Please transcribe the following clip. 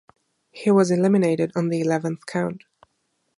He was eliminated on the eleventh count.